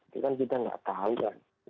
tapi kan kita tidak tahu kan